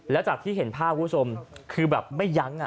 แล้วจากที่เห็นภาพคุณผู้ชมคือแบบไม่ยั้ง